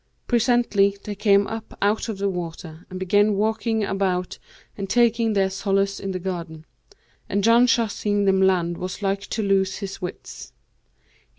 Presently, they came up out of the water and began walking about and taking their solace in the garden; and Janshah seeing them land was like to lose his wits.